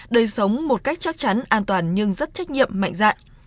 đời sống một cách chắc chắn an toàn nhưng rất trách nhiệm mạnh dạng